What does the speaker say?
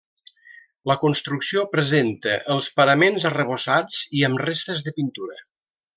La construcció presenta els paraments arrebossats i amb restes de pintura.